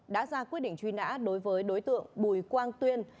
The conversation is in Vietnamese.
đã ra quyết định truy nã đối với đối tượng bùi quang tuyên